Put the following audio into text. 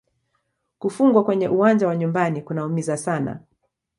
Kufungwa kwenye uwanja wa nyumbani kunaumiza sana